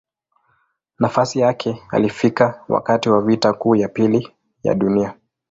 Nafasi yake alifika wakati wa Vita Kuu ya Pili ya Dunia.